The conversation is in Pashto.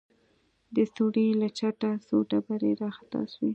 د سوړې له چته څو ډبرې راخطا سوې.